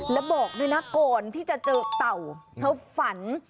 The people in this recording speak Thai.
แล้วบอกด้วยนะก่อนที่จะเจอเต่าเธอฝัน